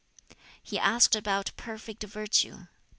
He asked about perfect virtue.